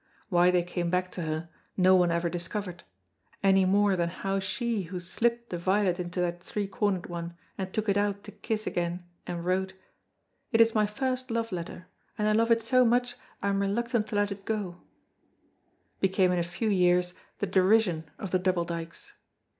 Why they came back to her no one ever discovered, any more than how she who slipped the violet into that three cornered one and took it out to kiss again and wrote, "It is my first love letter, and I love it so much I am reluctant to let it go," became in a few years the derision of the Double Dykes.